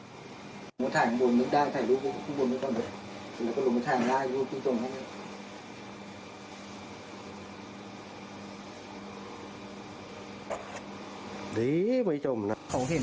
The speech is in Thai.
นั่งไผ่ลูกหนึกแล้วก็ลงไปแถงล้างดูปิ๊บจม